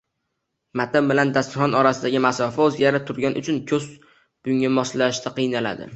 Matn bilan dasturxon orasidagi masofa o‘zgarib turgani uchun ko‘z bunga moslashishda qiynaladi.